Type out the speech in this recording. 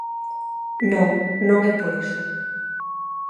Non, non é por iso.